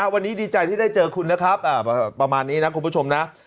วันนี้ดีใจที่ได้เจอคุณนะครับประมาณนี้นะคุณผู้ชมนะ